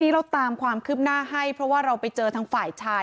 เราตามความคืบหน้าให้เพราะว่าเราไปเจอทางฝ่ายชาย